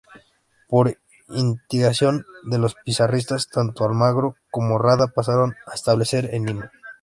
Por instigación de los pizarristas, tanto Almagro como Rada pasaron a establecerse en Lima.